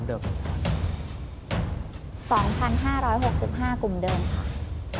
๒๕๖๕กลุ่มเดิมค่ะ